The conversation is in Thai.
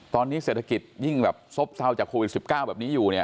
ตอนนี้เศรษฐกิจยิ่งซบซ้าวจากโควิด๑๙อยู่